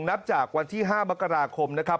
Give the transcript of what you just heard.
นับจากวันที่๕มกราคมนะครับ